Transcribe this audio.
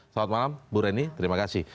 selamat malam bu reni terima kasih